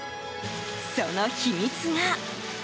その秘密が。